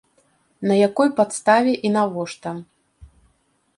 На якой падставе і навошта?